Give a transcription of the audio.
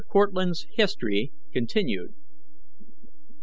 CORTLANDT'S HISTORY CONTINUED.